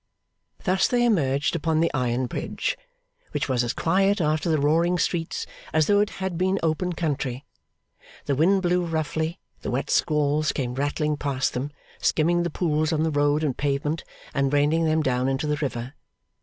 Thus they emerged upon the Iron Bridge, which was as quiet after the roaring streets as though it had been open country. The wind blew roughly, the wet squalls came rattling past them, skimming the pools on the road and pavement, and raining them down into the river.